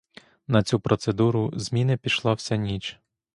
На цю процедуру зміни пішла вся ніч.